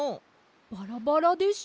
バラバラでした。